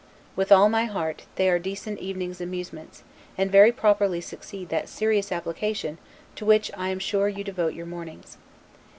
With all my heart; they are decent evening's amusements, and very properly succeed that serious application to which I am sure you devote your mornings.